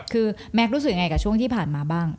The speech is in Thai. คือแม็กซ์รู้สึกยังไงกับช่วงที่ผ่านมาบ้าง